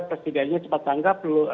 presidennya cepat tanggap